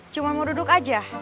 cuma mau duduk aja